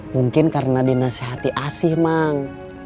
mungkin karena dinasehati asih mang